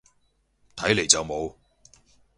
睇嚟就冇